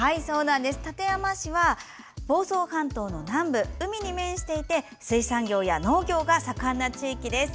館山市は房総半島の南部海に面していて水産業や農業が盛んな地域です。